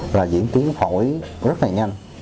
là diễn tiến khỏi rất là nhanh